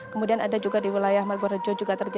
kemudian ada juga di wilayah magorejo